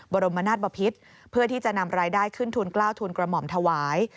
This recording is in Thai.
บรมนาศบพิษเพื่อที่จะนำรายได้ขึ้นทุนกล้าวทุนกระหม่อมถวาย